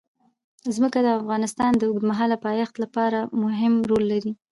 ځمکه د افغانستان د اوږدمهاله پایښت لپاره مهم رول لري.